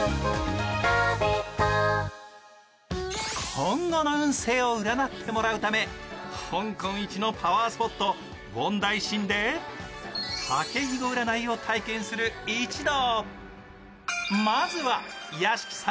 今後の運勢を占ってもらうため香港一のパワースポット、ウォンダイシンで竹ひご占いを体験する一同。